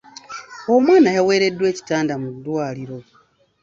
Omwana yaweereddwa ekitanda mu ddwaliro.